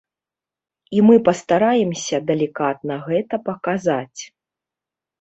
І мы пастараемся далікатна гэта паказаць.